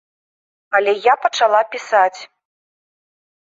Але я пачала пісаць.